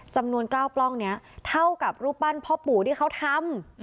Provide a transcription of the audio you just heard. จำนวน๙ปล้องนี้เท่ากับรูปปั้นพ่อปู่ที่เขาทำ